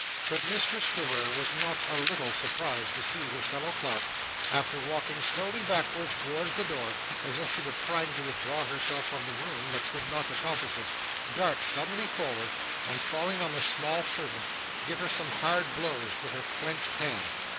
But Mr Swiveller was not a little surprised to see his fellow clerk, after walking slowly backwards towards the door, as if she were trying to withdraw herself from the room but could not accomplish it, dart suddenly forward, and falling on the small servant give her some hard blows with her clenched hand.